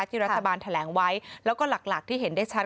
ที่รัฐบาลแถลงไว้แล้วก็หลักที่เห็นได้ชัด